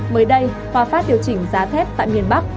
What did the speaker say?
mới đây hòa phát điều chỉnh giá thép tại miền bắc